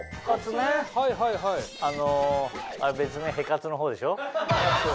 ねっ別名ヘ活の方でしょ。